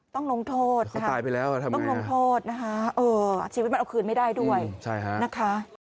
ต้องลงโทษค่ะต้องลงโทษนะคะชีวิตมันเอาคืนไม่ได้ด้วยนะคะ